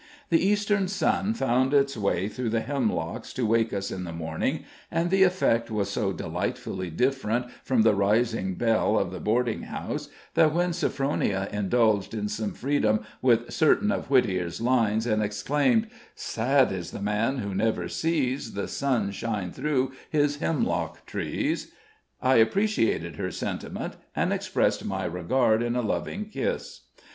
The eastern sun found his way through the hemlocks to wake us in the morning, and the effect was so delightfully different from the rising bell of the boarding house, that when Sophronia indulged in some freedom with certain of Whittier's lines, and exclaimed: "Sad is the man who never sees The sun shine through his hemlock trees" I appreciated her sentiment, and expressed my regard in a, loving kiss.